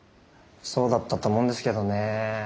そうだったと思うんですけどね。